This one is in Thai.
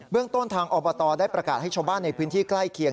เรื่องต้นทางอบตได้ประกาศให้ชาวบ้านในพื้นที่ใกล้เคียง